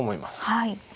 はい。